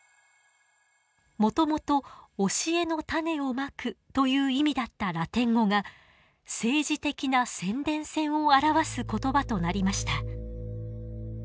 もともと教えの種をまくという意味だったラテン語が政治的な宣伝戦を表す言葉となりました。